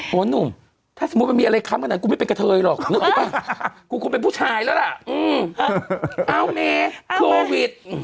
โห้หนุ่มถ้าสมมุติมันมีอะไรคำขนาดนั้นกูไม่เป็นกับเธอหรอกนะครับกูคงเป็นผู้ชายแล้วล่ะเอาแม่โควิด